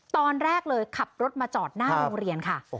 ตอนแรกเลยขับรถมาจอดหน้าโรงเรียนค่ะ